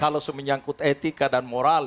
kalau menyangkut etika dan moral